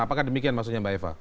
apakah demikian maksudnya mbak eva